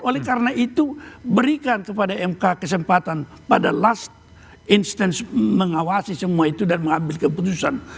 oleh karena itu berikan kepada mk kesempatan pada last instance mengawasi semua itu dan mengambil keputusan